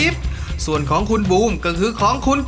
บวกกับเลข